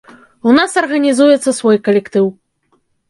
У нас арганізуецца свой калектыў.